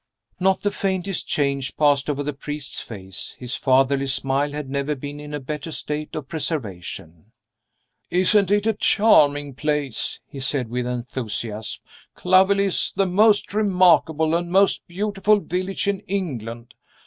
Not the faintest change passed over the priest's face; his fatherly smile had never been in a better state of preservation. "Isn't it a charming place?" he said with enthusiasm. "Clovelly is the most remarkable and most beautiful village in England.